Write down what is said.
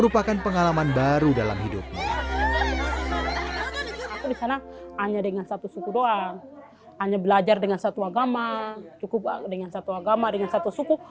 cukup dengan satu agama dengan satu suku